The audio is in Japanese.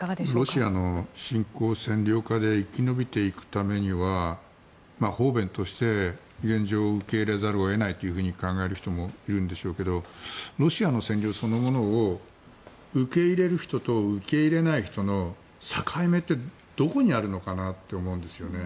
ロシアの侵攻占領下で生き延びていくためには方便として現状を受け入れざるを得ないと考える人もいるんでしょうけどロシアの占領そのものを受け入れる人と受け入れない人の境目ってどこにあるのかなと思うんですよね。